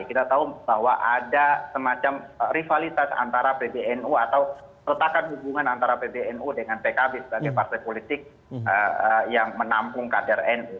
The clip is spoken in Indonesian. kita tahu bahwa ada semacam rivalitas antara pbnu atau retakan hubungan antara pbnu dengan pkb sebagai partai politik yang menampung kader nu